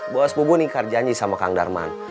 bos bubun ingkar janji sama kang darman